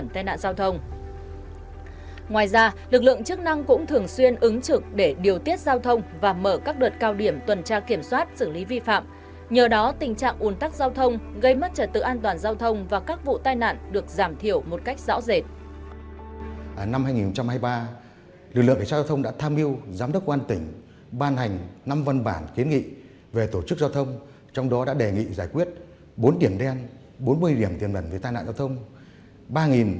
thời gian vừa qua lực lượng giao thông đã tham mưu giám đốc quan tỉnh ban hành năm văn bản kiến nghị về tổ chức giao thông trong đó đã đề nghị giải quyết bốn điểm đen bốn mươi điểm tiềm ẩn về tai nạn giao thông